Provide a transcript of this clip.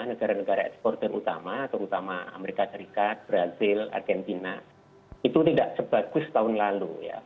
negara negara eksporter utama terutama amerika serikat brazil argentina itu tidak sebagus tahun lalu